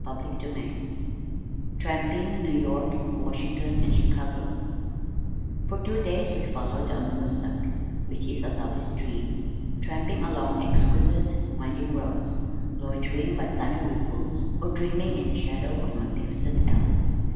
CHAPTER XXIV Tramping, New York, Washington, and Chicago For two days we followed the Amonoosuc (which is a lovely stream), tramping along exquisite winding roads, loitering by sunny ripples or dreaming in the shadow of magnificent elms.